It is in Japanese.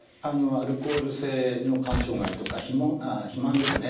アルコール性の肝障害とか肥満ですね